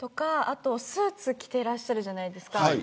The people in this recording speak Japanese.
あと、スーツ着ていらっしゃるじゃないですか。